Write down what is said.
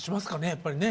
やっぱりね。